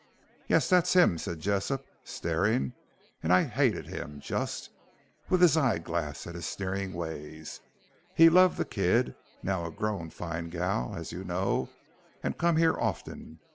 "Yes. That's him," said Jessop, staring, "and I hated him just, with his eye glass and his sneerin' ways. He loved the kid, now a growed, fine gal, as you know, and come here often.